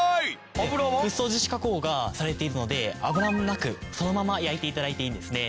フッ素樹脂加工がされているので油もなくそのまま焼いて頂いていいんですね。